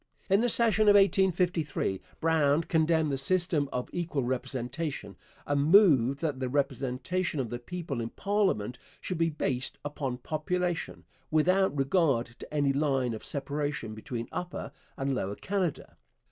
In the session of 1853 Brown condemned the system of equal representation, and moved that the representation of the people in parliament should be based upon population, without regard to any line of separation between Upper and Lower Canada.